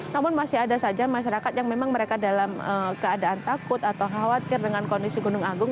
namun masih ada saja masyarakat yang memang mereka dalam keadaan takut atau khawatir dengan kondisi gunung agung